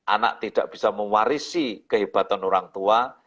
anak tidak bisa mewarisi kehebatan orang tua